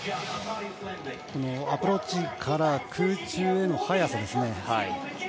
アプローチから空中への速さですね。